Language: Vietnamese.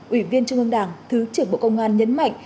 ủy viên trung ương đảng thứ trưởng bộ công an nhấn mạnh